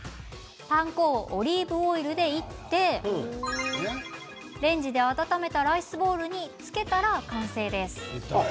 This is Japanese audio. パン粉をオリーブオイルでいってレンジで温めたライスボールにつけたら完成です。